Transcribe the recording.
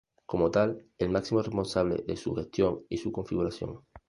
Como tal, es el máximo responsable de su gestión y su configuración.